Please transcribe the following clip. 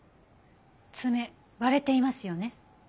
爪割れていますよね。